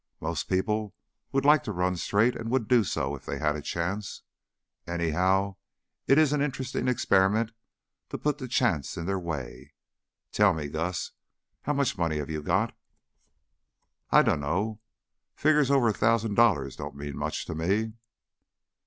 Most people would like to run straight, and would do so if they had a chance. Anyhow, it is an interesting experiment to put the chance in their way. Tell me, Gus, how much money have you got?" "I dunno. Figgers over a thousand dollars don't mean much to me."